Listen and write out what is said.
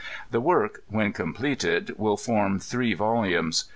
The work, when completed, will form three volumes.